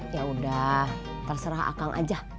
yaudah terserah akang aja